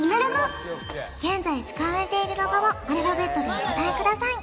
現在使われているロゴをアルファベットでお答えください